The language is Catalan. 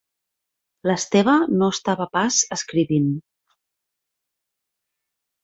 L'Esteve no estava pas escrivint.